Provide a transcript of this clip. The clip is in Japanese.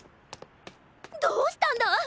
どうしたんだ？